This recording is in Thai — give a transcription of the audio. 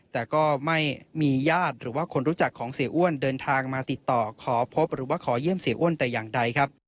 แต่ก็ไม่มีญาติหรือว่าคนรู้จักของเสียอ้วนเดินทางมาติดต่อขอพบหรือว่าขอเยี่ยมเสียอ้วนแต่อย่างใดครับ